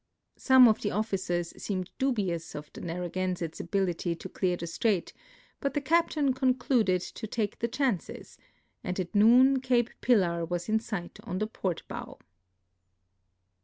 Some of the officers seemed (lul)iou.s of the X<(rr(((/(insctCs ability to clear the strait, but the captain con cluded to take the chances, and at noon Cape Pillar was in sight on the port bow.